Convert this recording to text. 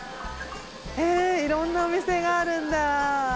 へぇいろんなお店があるんだ。